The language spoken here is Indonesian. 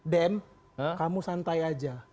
dm kamu santai aja